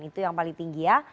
itu yang paling tinggi ya